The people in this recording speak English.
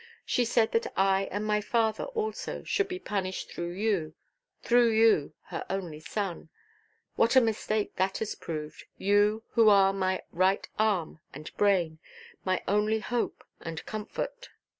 She said that I and my father also should be punished through you, through you, her only son. What a mistake that has proved! You, who are my right arm and brain; my only hope and comfort!"